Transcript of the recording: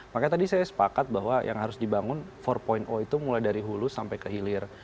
makanya tadi saya sepakat bahwa yang harus dibangun empat itu mulai dari hulu sampai ke hilir